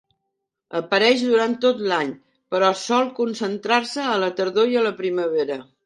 Apareix durant tot l'any però sol concentrar-se a la tardor i la primavera.